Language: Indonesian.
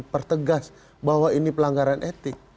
pertegas bahwa ini pelanggaran etik